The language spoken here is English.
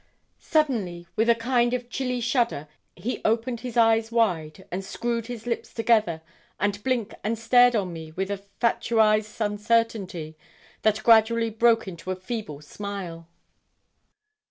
Suddenly, with a kind of chilly shudder, he opened his eyes wide, and screwed his lips together, and blinked and stared on me with a fatuised uncertainty, that gradually broke into a feeble smile.